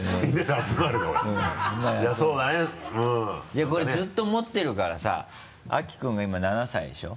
じゃあこれずっと持ってるからさ秋君が今７歳でしょ？